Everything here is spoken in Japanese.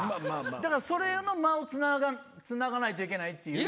だからそれの間をつながないといけないっていう。